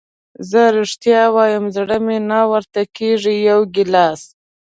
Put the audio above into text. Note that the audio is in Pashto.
زه رښتیا وایم زړه مې نه ورته کېږي، یو ګیلاس.